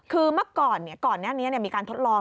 คือเมื่อก่อนก่อนหน้านี้มีการทดลอง